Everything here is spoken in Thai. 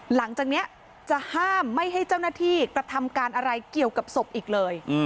หลังจากนี้จะห้ามไม่ให้เจ้าหน้าที่กระทำการอะไรเกี่ยวกับศพอีกเลย